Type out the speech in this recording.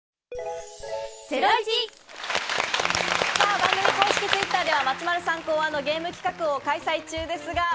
番組公式Ｔｗｉｔｔｅｒでは松丸さん考案のゲーム企画を開催中です。